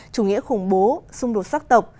chủ nghĩa khủng bố xung đột xác tộc